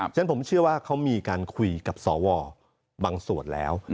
ฉะนั้นผมเชื่อว่าเขามีการคุยกับสวบางส่วนแล้ว